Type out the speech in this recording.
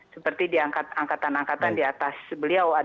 seperti di angkatan angkatan di atas beliau